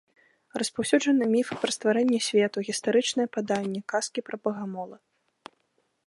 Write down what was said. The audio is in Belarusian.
Распаўсюджаны міфы пра стварэнне свету, гістарычныя паданні, казкі пра багамола.